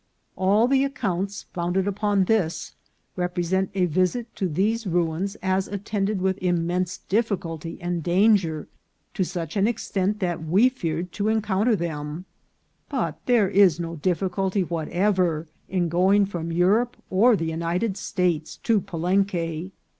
All the accounts, founded upon this, represent a visit to these ruins as attended with immense difficulty and danger, to such an extent that we feared to encounter them ; but there is no dif ficulty whatever in going from Europe or the United States to Palenque.